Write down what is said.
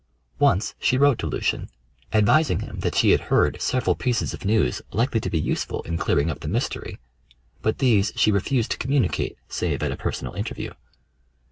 Once she wrote to Lucian, advising him that she had heard several pieces of news likely to be useful in clearing up the mystery; but these she refused to communicate save at a personal interview.